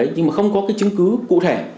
nhưng mà không có cái chứng cứ cụ thể